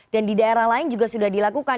di daerah lain juga sudah dilakukan